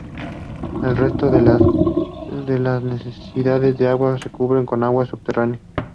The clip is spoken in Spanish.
El resto de las necesidades de agua se cubre con aguas subterráneas.